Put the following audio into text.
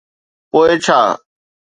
پوءِ ڇا.